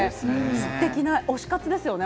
すてきな推し活ですよね。